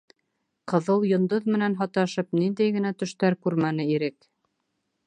Ҡыҙыл йондоҙ менән һаташып, ниндәй генә төштәр күрмәне Ирек.